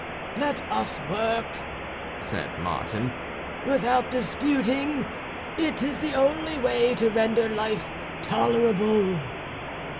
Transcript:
"Let us work," said Martin, "without disputing; it is the only way to render life tolerable."